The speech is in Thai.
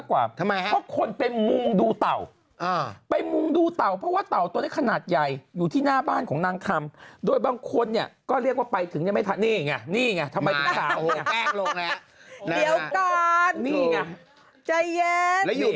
วันนี้ไทยรัฐออนไลน์เขาได้ลงกันอีกแองจีจ่ะ